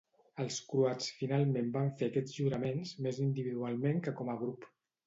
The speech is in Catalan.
Els croats finalment van fer aquests juraments, més individualment que com a grup.